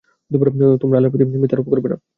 তোমরা আল্লাহর প্রতি মিথ্যা আরোপ করবে না।